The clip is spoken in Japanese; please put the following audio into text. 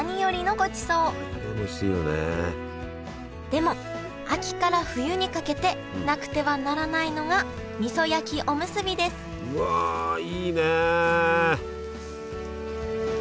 でも秋から冬にかけてなくてはならないのがみそ焼きおむすびですうわいいね！